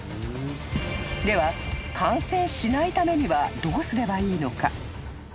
［では感染しないためにはどうすればいいのか］